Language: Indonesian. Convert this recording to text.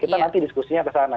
kita nanti diskusinya kesana